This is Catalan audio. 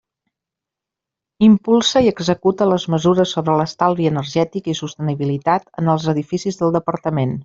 Impulsa i executa les mesures sobre l'estalvi energètic i sostenibilitat en els edificis del Departament.